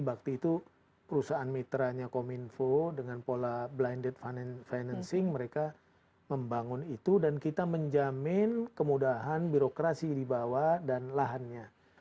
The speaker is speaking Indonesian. bakti itu perusahaan mitranya kominfo dengan pola blended financing mereka membangun itu dan kita menjamin kemudahan birokrasi di bawah dan lahannya